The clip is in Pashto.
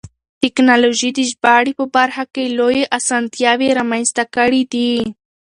تکنالوژي د ژباړې په برخه کې لویې اسانتیاوې رامنځته کړې دي.